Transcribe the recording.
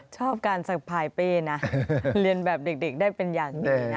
ชอบการสะพายเป้นะเรียนแบบเด็กได้เป็นอย่างดีนะ